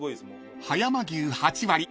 ［葉山牛８割